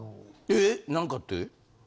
え何かって？